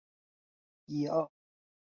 在现代它是极罕见的姓氏。